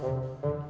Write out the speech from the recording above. nih bang udin